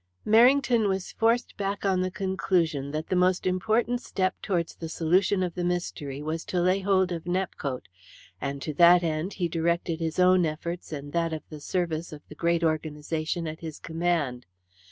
Merrington was forced back on the conclusion that the most important step towards the solution of the mystery was to lay hold of Nepcote, and to that end he directed his own efforts and that of the service of the great organization at his command.